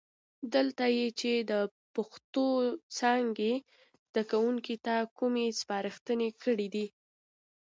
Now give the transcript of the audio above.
دلته یې چې د پښتو څانګې زده کوونکو ته کومې سپارښتنې کړي دي،